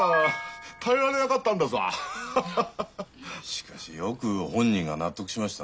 しかしよく本人が納得しましたね。